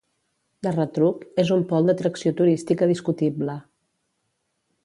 De retruc, és un pol d'atracció turística discutible.